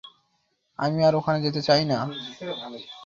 আমি আর ওখানে যেতে চাই না।